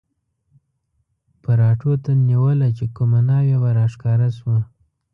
پراټو ته نیوله چې کومه ناوې به را ښکاره شوه.